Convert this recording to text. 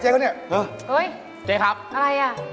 เฮ่ยเจ๊ครับอะไรน่ะ